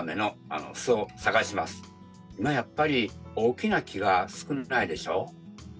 今やっぱり大きな木が少ないでしょ。